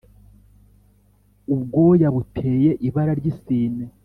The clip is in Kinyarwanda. ubwoya buteye ibara ry isine